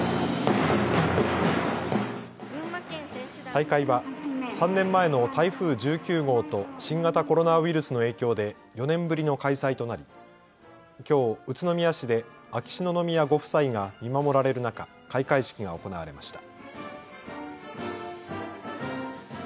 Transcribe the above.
大会は３年前の台風１９号と新型コロナウイルスの影響で４年ぶりの開催となりきょう宇都宮市で秋篠宮ご夫妻が見守られる中、開会式が行われました。